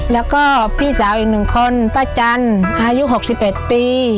และก็พี่สาวอีกหนึ่งคนป้าจันอายุ๖๘ปี